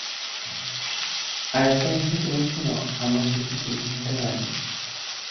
আর এটা এসে পড়েছিল আমরা কিছু বুঝে ওঠার আগেই।